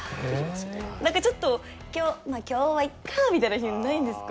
何かちょっとまあ今日はいっかみたいな日ないんですか？